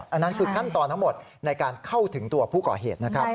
อันนั้นคือขั้นตอนเสริมทั้งหมดในการเข้าถึงตัวผู้ก่อเหตุ